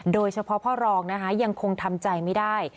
โดยเฉพาะพ่อรองนะคะยังคงทำใจไม่ได้